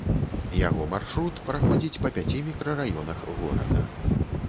Яго маршрут праходзіць па пяці мікрараёнах горада.